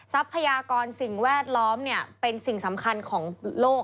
ทรัพยากรสิ่งแวดล้อมเป็นสิ่งสำคัญของโลก